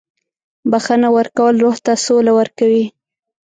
• بخښنه ورکول روح ته سوله ورکوي.